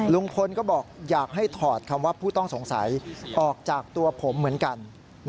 ลุงพลก็บอกอยากให้ถอดคำว่าผู้ต้องสงสัยออกจากตัวผมเหมือนกัน